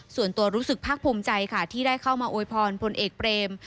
ส่วนตัวรู้สึกภาคภูมิใจค่ะที่ได้เข้ามาอวยพรพลเอกเปรม